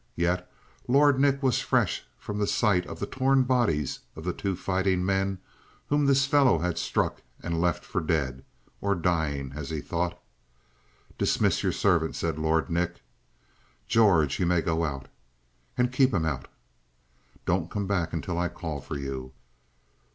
Yet Lord Nick was fresh from the sight of the torn bodies of the two fighting men whom this fellow had struck and left for dead, or dying, as he thought. "Dismiss your servant," said Lord Nick. "George, you may go out." "And keep him out." "Don't come back until I call for you."